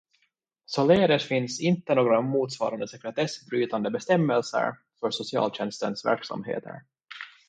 Således finns inte några motsvarande sekretessbrytande bestämmelser för socialtjänstens verksamheter.